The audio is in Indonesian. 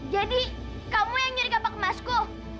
jadi kamu yang nyuri kapak emasku